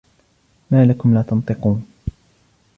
ما لكم لا تنطقون